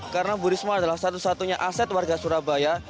karena bu risma adalah satu satunya aset warga surabaya